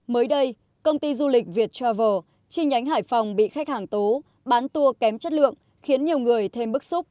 mới đây công ty du lịch việt travel chi nhánh hải phòng bị khách hàng tố bán tour kém chất lượng khiến nhiều người thêm bức xúc